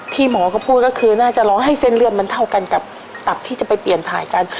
หมอก็พูดก็คือน่าจะรอให้เส้นเลือดมันเท่ากันกับตับที่จะไปเปลี่ยนถ่ายกัน